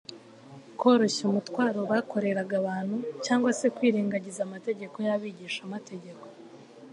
Koroshya umutwaro bakoreraga abantu cyangwa se kwirengagiza amategeko y'abigishamategeko,